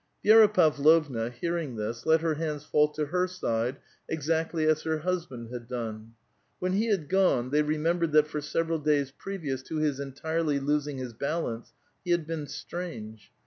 Vi^ra Pavlovna, hearing this, let her hands fall to her side exactly as her husband had done. When he had gone, they remembered that for several days previous to his entirel}* losing his balance he had been strange.